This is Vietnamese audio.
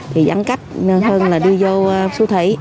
thì giãn cách hơn là đi vô xu thủy